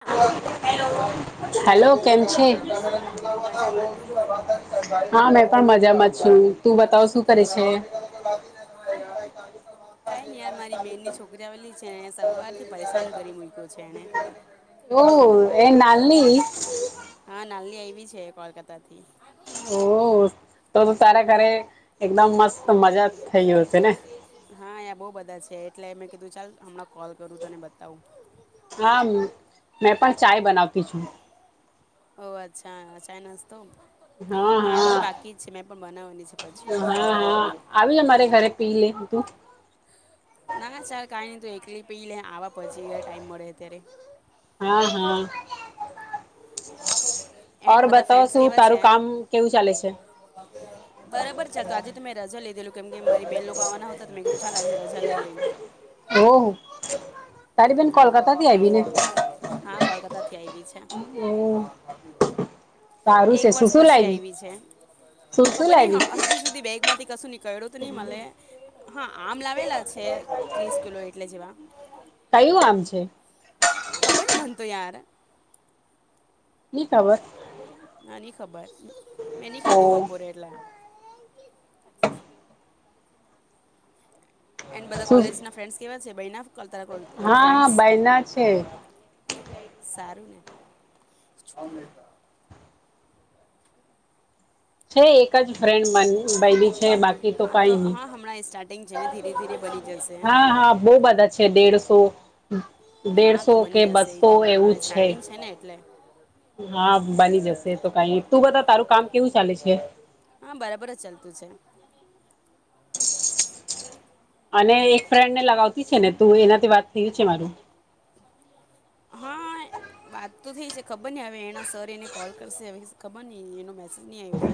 હા hello. Hello. કેમ છે? મજામાં તું બોલ હા મેં પણ મજામાં છું. શું કરે છે? કાઈ નહી યાર મારી બેન ની છોકરી આવેલી છે. અને સવારથી પરેશાન કરી મૂયકો છે એને. ઓહ એનાલી નાલી આવી છે કોલકાતા થી. ઓહ! તો-તો તારે ઘરે એકદમ મસ્ત મજા થઈ ગયો હશે ને. હા અહિંયા બહુ બધા છે એટલે મેં કીધું ચાલ હમણાં કોલ કરું તને બતાવું. હા મેં પણ ચાય બનાવતી છું. ઓહ! અચ્છા ચાય નાસ્તો હા મારું હા બી બાકી જ છે. મેં પણ બનાવવાની છે પછી. હા હા આવી જા મારે હમ્મ. ઘરે પી લે તું ના, ના ચાલ કાઈ નહી તું એકલી પી લે, આવા પછી અહ ટાઈમ મળે ત્યારે. હા, હા. એન્ડ ઓર બધા બતાવ, ફ્રેન્ડ્સ શું કેવા છે તારું કામ કેવું ચાલે છે? બરાબર છે આજે તો મે રજા લીધેલું કેમ કે મારી બેન લોકો આવવાના હોતા તો મેં કીધું ચાલ આજે રજા લઈ લે એમ. ઓહ તારી બેન કોલકતાથી આવીને? હા કોલકાતાથી આવી છે હમ્મ. એક વર્ષ પછી આયવી છે. શું શું ખબર નહીં લાવી હ હજુ સુધી બેગ માંથી કશું નીકળ્યું તો નહી મલે. આમ લાવેલા છે ત્રીસ કિલો એટલે જેવા કયું આમ છે? ખબર નહીં મને તો યાર ની ખબર ના ની ખબર મેં નની ખાધું ઓ બપોરે એટલે એન બધા શું કોલેજ ના ફ્રેન્ડસ કેવા છે બયના હા હા બાયના છે [unintelligible] છે એક જ ફ્રેન્ડ માની ભઈ ની છે બાકી તો હા કઈ નહી હા હમણાં સ્ટાર્ટિંગ છે ને ધીરે ધીરે બની જશે હા-હા બઉ બધા છે દેડસો હા તો દેડસો બની કે જશે એ બસો તો એવું હમણાં જ સ્ટાર્ટિંગ છે ને એટલે હા બની જશે તો કઈ તું બધા તારું કામ કેવું ચાલે છે હા બરાબર જ ચાલતું છે અને એક ફ્રેન્ડ ને લગાવતી છે ને તું એનાથી વાત થયું છે મારું હા વાત તો થઈ છે ખબર નહી હવે એના સર એને કોલ કરશે હવે ખબર નહી એનો મેસેજ નહી આવ્યો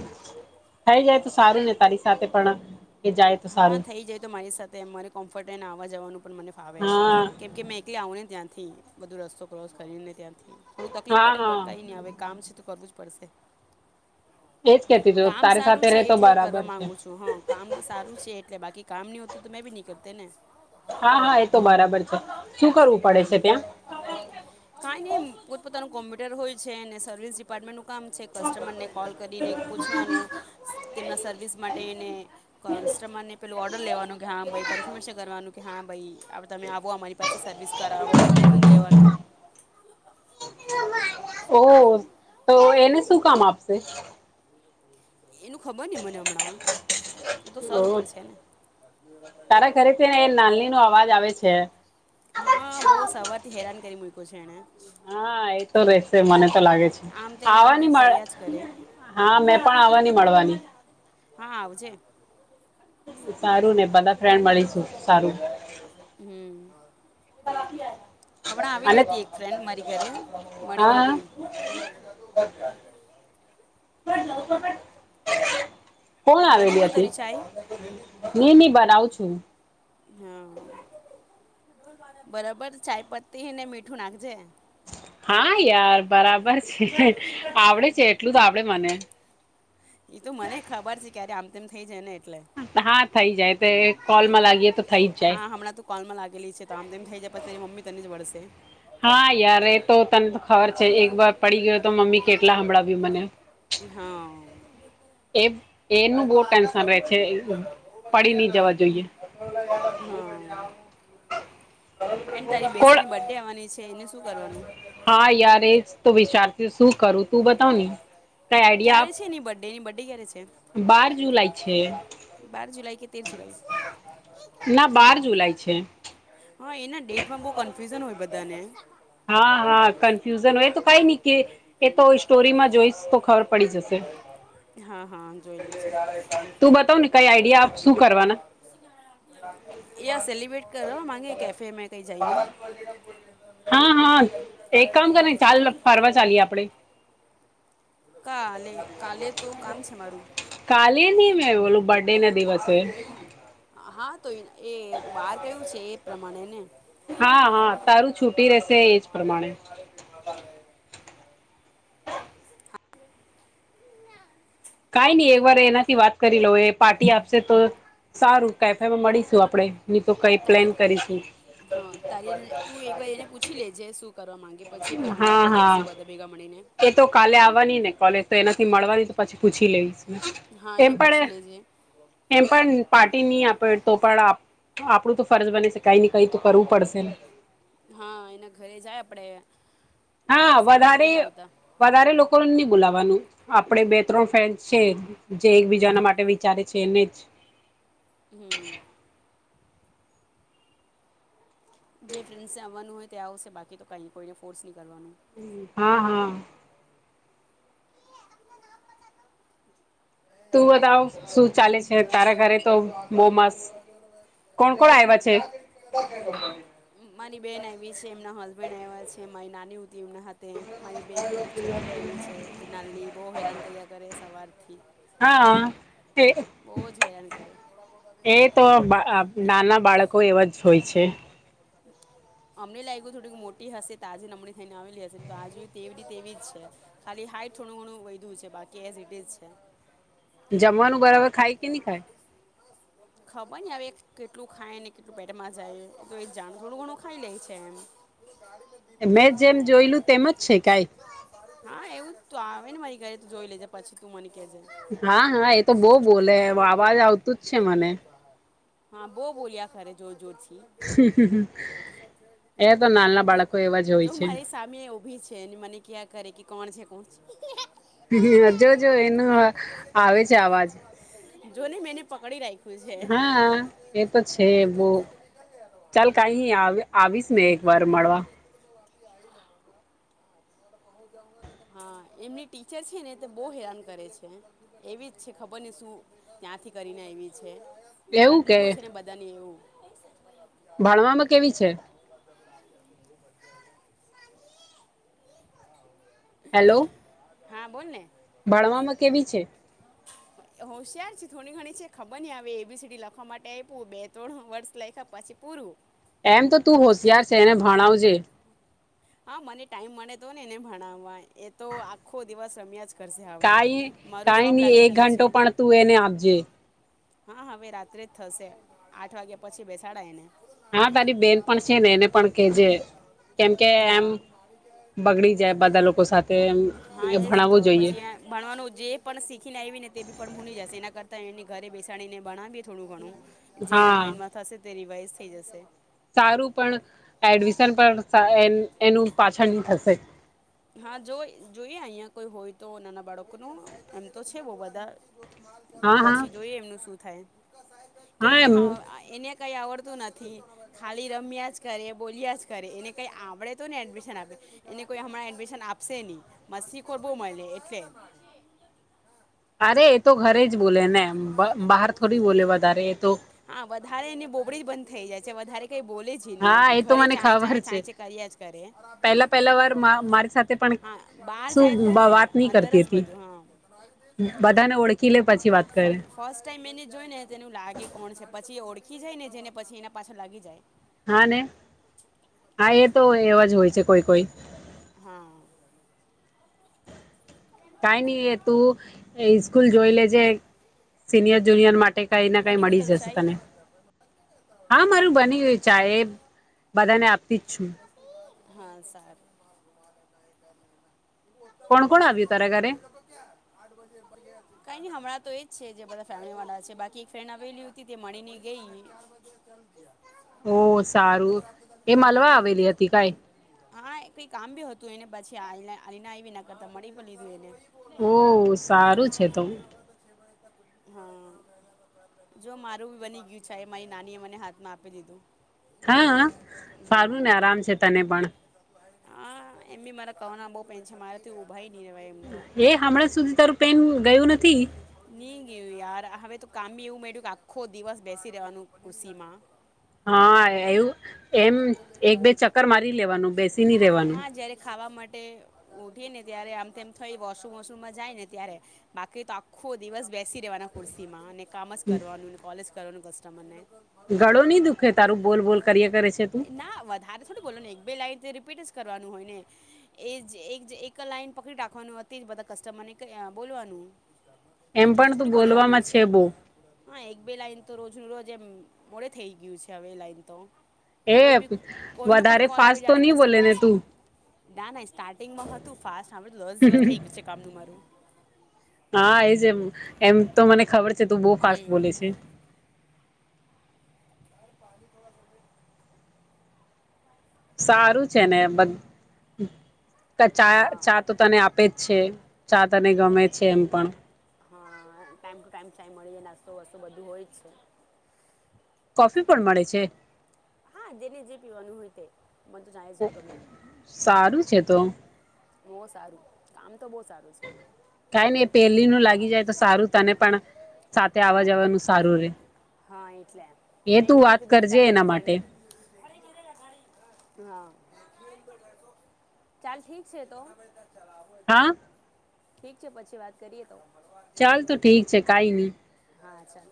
થઈ જાય તો સારું ને તારી સાથે પણ એ જાય તો હા સારું થઈ જાય તો મારી સાથે મારે કોમ્ફર્ટ ને આવા જવાનું પણ મને ફાવે હા કેમ કે મેં એકલે આવું ને ત્યાંથી બધું રસ્તો ક્રોસ કરી ને ત્યાં થોડું તકલીફ હા પડે હા બટ કઈ નને હવે કામ છે તો કરવું જ પડશે એજ કેતી જો કામ તારી સાથે સારું છે રે તો એટલે બરાબર કરવા છે માંગુ છું હા કામ સારું છે એટલે બાકી કામ ન હોતું તો મેં ભી નહી કરતા ને હા હા એ તો બરાબર છે શું કરવું પડે છે ત્યાં પોતાનું કોમ્પ્યુટર હોય છે અને સર્વિસ ડિપાર્ટમેન્ટનું કામ છે કસ્ટમરને કોલ કરીને પૂછવાનું તેમના સર્વિસ માટે એને કસ્ટમરને પેલું ઓર્ડર લેવાનું કે હા ભાઈ કન્ફર્મેશન કરવાનું કે હા ભાઈ તમે આવો અમારી પાસે સર્વિસ કરાવો એમ બુકિંગ લેવાનું [unintelligible] ઓહ તો એને શું કામ આપશે એનું ખબર નઈ મને હમણાં એ તો ઓ સર ઉપર છે ને તારા ઘરે છે ને એ નાનની નો અવાજ આવે છે હા બહુ સવારથી હેરાન કરી મૂકો છે એને હા એતો રેશે મને તો લાગે છે આમ તેમ આમ તેમ આવાની મળે ફરિયાદ જ કરે હા મેં પણ આવવાની મળવાની હા આવજે સારું ને બધા ફ્રેડ મળીશું સારું હમ [unintelligible] હમણાં અને આવેલી હતી એક ફ્રેન્ડ મારી ઘરે મળીને હા ગઈ. [unintelligible] કોણ બની આવેલી ગયું હતી તારી ચાય નીની બના [unintelligible] હા બરાબર ચાયપત્તી ને મીઠું નાખજે હા યાર બરાબર છે આવડે છે એટલું તો આવડે મને. [inaudible] એ તો મને ખબર છે ક્યારે આમ તેમ થઇ જાય ને એટલે હા થઈ જાય તે ને કોલમાં લાગીએ તો થઈ જ જાય પછ એ મમ્મી તને જ વ વળશે હા યાર એ તો તને તો ખબર છે એક વાર પડી ગયો તો મમ્મી કેટલા હંભળાવ્યું મને હા એ એનું બહુ ટેન્શન રહે છે પડી નહિ જવા જોઈએ હા એન્ડ તારી કોણ બેસ્ટીની બર્થડે આવવાની છે એનું હા યાર એ જ તો વિચારતી શું કરું તું બતાવ ને કઈ આઈડિયા ક્યારે આપ છે એની બર્થડે એની બર્થડે ક્યારે છે બાર જુલાઈ છે બાર જુલાઈ કે તેર જુલાઈ ના બાર જુલાઈ છે હા એના ડેટમાં બહુ કન્ફ્યુઝન હોય બધાને હા હા કન્ફ્યુઝન હોય તો કાઈ નહી કે એ તો સ્ટોરીમાં જોઈશ તો ખબર પડી જશે હા હા જોઈ લે છે તું બતાવ ને કાઈ આઈડિયા આપ શું કર યા સેલિબ્રેટ કરો માગે કેફે મે કઈ જાયને હા હા એક કામ કરને ચાલ ફરવા ચાલીએ આપણેે કાલે કાલે તો કામ છે મારું હે બોલો પણ હા તો એ એ વાર કયું છે એ પ્રમાણે ને હા હા તારું છુટી રહેશે એજ પ્રમાણે કાંઈ નઈ એક વાર એનાથી વાત કરી લઉ એ પાર્ટી આપશે તો સારું કેફેમાં મળીશું આપડે ની તો કઈ ત પ્લેન કરીશું હા તારી તું એક વાર એને પૂછી લેજે શું કરવા માંગે પછી એ પ્રમાણે હા આપણે હા કરશું બધા ભેગા મળીને એ તો કાલે આવવાની ને કોલેજ તો એના થી મળવાની છ તો પછી પૂછી લઈશ હા એમ એને પણ પૂછી એ લેજે એમ પણ પાર્ટી નહી આપે તો પણ આ આપણું તો ફરજ બને છે કાઈ ને કઈ તો કરવું પડશે ને હા એના ઘરે જાય આપડે હા વધારે વધારે લોકોને નહી બોલાવાનું આપણે બે ત્રણ ફ્રેન્ડસ છે જે એકબીજાના માટે વિચારે છે એને જ હમ જે ફ્રેન્ડસને આવવાનું હોય તે આવશે બાકી તો કાંઈ કોઈ ને ફોર્સ કરવાનું હમ હા હા તું બતાવ શું ચાલે છે તારા ઘરે તો મોમસ [inaudible] [unintelligible] મારી બેન આવી છે એમના હસબેન્ડ આવ્યા છે મહિ નાની [inaudible] એમને તે મારી બેહેનની છોકરી આવી છે જે નાનલી બહુ હેરાન કર્યા કરે સવારથી હા એ બહુ જ હેરાન કરે એ તો બા અ નાના બાળકો એવા જ હોય છે [unintelligible] અમને લાગ્યું થોડીક મોટી હશે તાજી નમળી થઈને આવેલી હશે તો આ જોયુ તેવી ને તેવીજ છે ખાલી હાઇટ થોડુ ઘણું વધ્યું છે બાકી એઝ ઇટ ઇઝ છે જમવાનું બરાબર ખાય કે નહી ખાય ખબર નહિ હવે કેટલું ખાય ને કેટલું પેટમાં જાય તો એ જ જાણે થોડું ઘણું ખાઈ લે છે એમ મેં જેમ જોયેલું તેમ જ છે કાંઇ હોયને મારી ઘરે તો તું જોઈ લેજે પછી મને કહેજે હા હા એ તો બહુ બોલે હે અવાજ આવતું જ છે મને હા બહુ બોલ્યા કરે જોર જોરથી હું હું હું જો જો મારી સામે ઉભી છે ને મને કહ્યાં કરે કે કોણ છે [unintelligible] હ હ જો જો એનો આવે છે અવાજ ન મેંને પકડી રાખી્યું છે હા એ તો છે બહ ચાલ કઈ આવીશ ને એક વાર મળવા. હું જાઉના હા એમની ટીચર છે ને તે બહુ હેરાન કરે છે, એવી જ છે ખબર ને શું ત્યાં નાથી કરીને આયવી છે, એવું લાડલી કે બોવ છે ને બધાની એવું ભણવામાં કેવી છે? હેલો. હા બોલ ને. ભણવામાં કેવી છે? [inaudible] હોશયાર છે, થોડી ઘણી છે, ખબર નહી આવે એબીસીડી લખવા માટે આપ્યું બે ત્રણ હર્ષ લખ્યા પછી પૂરું એમ તો તું હોશિયાર છે, એને ભણાવજે હા મને ટાઈમ મળે તો ને એને ભણાવવા એ તો આખો દિવસ રમ્યા કરશે હવે કઈ મારું કઈ જોબ નહી લાગી એક ગયું ઘંટો છે પણ તું એને આપજે હા. હવે રાત્રે જ થશે આઠ વાગ્યા પછી બેસાડા એને હા તારી બેન પણ છે ને એને પણ કેજે કેમકે એમ હા. બગડી જાય બધા લોકો સાથે એમ હા એ એજ તો ભણાવવું જોઈએ પછી ભણવાનું જે પણ શીખી ને આવી ને તે બી પણ ની જશે એના એ ઘરે બેસાડીને ભણાવીએ થોડું ઘણું જે એના હા માઈન્ડમાં થશે તે રિવાઈઝ થઈ જશે. સારું પણ એડમિશન પણ એનું પાછળ ન થશે. હા જો જોઈએ અહિયાં કોઈ હોય તો નાના બાળકોનું એમ તો છે બહ બધા હા હા પછી જોઈએ એમનું શું થાય કેમ કે હા એને કંઈ આવડતું નથી ખાલી રમ્યા જ કરે, બોલ્યા જ કરે, એને કઈ આવડે તો ને એડમિશન આપે એને કોઈ હમણાં એડમિશન આપશે નહી મસ્તી શીખો બહ હોય ને એટલે અરે એ તો ઘરે જ બોલે ને બહાર થોડી બોલે વધારે તો હા વધારે એને બોબળી જ બંધ થઈ જાય છે વધારે કઈ બોલે જ નહી હા એમ એ તો ઘરે મને ચા ચ ચા ખબર છે કર્યા જ કરે પહેલા પહેલા વાર મારી સાથે પણ હા બહાર શું જાય તો ને વાત નહી અંદર કરતી જ હતી બધું હા બધાને ઓળખી લે પછી વાત કરે ફર્સ્ટ ટાઈમ એને જોઈ ને તેનું લાગે કોણ છે પછી એ ઓળખી જાય ને જેને પછી એના પાછા લાગી જાય હા ને હા એ તો એવા જ હોય છે કોઈ કોઈ- હા. કઈ નઈ એ તું સ્કૂલ જોઈ લેજે સિનિયર-જુનિયર માટે કંઈ ન ને કંઈ બની ગયું મળી તારું જશે ચાય તને હા મારું બની ગયું, ચા એ બધાને આપતી જ છું હા સારું. કોણ કોણ આવ્યું તારા ઘરે? કાંઈ નહીં હમણાં તો એજ છે જે બધા ફેમિલી વા છે બાકી એક ફ્રેન્ડ આવેલી હતી તે મળીને ગઈ ઓ સારું એ મલવા હા આવેલી હતી કઈ હા કંઈ કામ બી હતું એને પછી આવીહીને આવીને કરતાં મળી પણ લીધું એને ઓ સારું છે તો. હમ. જો મારું બની ગયું છે એ મારી નાની એ મને હાથમાં આપી દીધું હા સારું હા ને આરામ છે તને પણ હા એમ બી મારા કહ બહ પેન છે મારે થી ભાઈ એ હમણાં સુધી તારું પેન ગયું નથી. નહી ગયું યાર હવે તો કામી એવું મયું કે આખો દિવસ બેસી રહેવાનું ખુશીમાં હા એવું એમ એક બે ચક્કર મારી લેવાનું બેસી ન રેવાનું. ઉઠી ને ત્યારે આમ તેમ થાય વોશરૂમ વોશરૂમમાં જાય ને ત્યારે બાકી તો આખો દિવસ બેસી રહેવાના કુરસીમાં અને કામ જ કરવાનું કોલેજ કરવાનું કસ્ટમરને ગળો નહી દુખે તારું બોલ બોલ કરીએ કર. ના વધારે થોડી બોલો ને એક બે લાઇટ જે રિપીટ કરવાનું હોય ને એ જ એક એક લાઈન પકડી રાખવાનું તે જ બધા કસ્ટમરને કઈ બોલવાનું. એમ કઈ જુદું પણ તું થોડું બોલવાનું બોલવામાં છે બો હ એક બે લાઈન તો રોજ ન રોજ એમ મોડે થઈ ગયું છે હવે એ લાઈન તો. એ કોઈ બી કોઈનો પણ વધારે કોલ આવે ફાસ્ટ તો જાણે નહી બોલે કસ્ટમર ને છે તું. ના ના સ્ટાર્ટિંગમાં હતું ફાસ્ટડ દસ દિવસ થઈ ગયું છે કામનું મારું. હા એજ એમ તો મને ખબર છે તું બો ફાસ્ટ હમ બોલે છે. [inaudible] સારું છે ને બદ ચા હા ચા તો તને આપે છે ચા તને ગમે છે એમ પણ. હા ટાઈમ ટુ ટાઈમ ચાય મળી નાસ્તો વસ્તો બધું હોય જ છે. શું પણ મળે છે. હા જેને જે પીવાનું હોય તે. મને તો ચાય જ ગમે સારું છે તો. બો સારું કામ તો બો સારું છે. કઈ ની પેલી નું લાગી જાય તો સારું તને પણ સાથે આવવા હા જવાનું સારું રે. હા એટલે એ મેં તું એટલે મે વાત કીધું કે કરજે ચાલ મારી એના માટે ફ્રેન્ડને હા ચાલ ઠીક છે તો હા ઠીક છે પછી વાત કરીએ તો. ચાલ તો ઠીક છે કઈ નિહી. હા ચાલ.